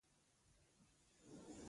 د فقر ټغر ټول شي.